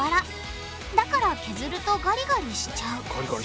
だから削るとガリガリしちゃう。